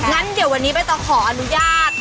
งั้นเดี๋ยววันนี้ใบตองขออนุญาต